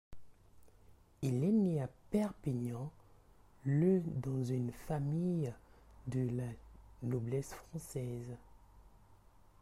Il est né à Perpignan le dans une famille de la noblesse française.